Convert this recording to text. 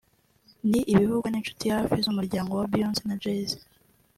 ni ibivugwa n’inshuti za hafi z’umuryango wa Beyonce na Jay-Z